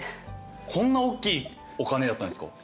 こんなおっきいお金やったんですか。